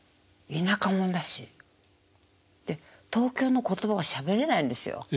で東京の言葉はしゃべれないんですよ。